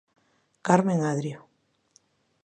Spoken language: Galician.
Carmen Adrio.